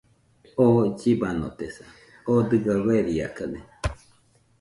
oo llibanotesa, oo dɨga ueriakade